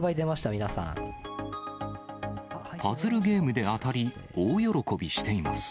パズルゲームで当たり、大喜びしています。